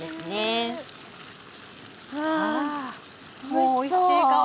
もうおいしい香り。